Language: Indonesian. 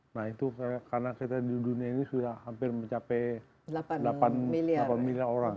nah itu karena kita di dunia ini sudah hampir mencapai delapan miliar orang